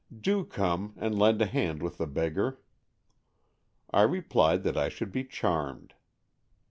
Do come and lend a hand with the beggar.'' I replied that I should be charmed.